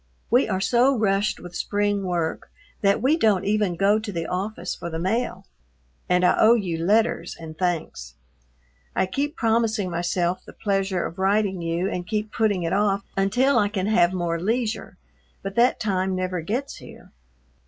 We are so rushed with spring work that we don't even go to the office for the mail, and I owe you letters and thanks. I keep promising myself the pleasure of writing you and keep putting it off until I can have more leisure, but that time never gets here.